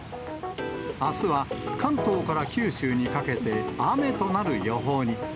あすは関東から九州にかけて雨となる予報に。